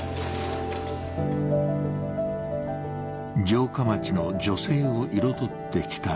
城下町の女性を彩って来た